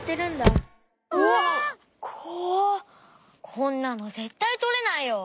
こんなのぜったいとれないよ！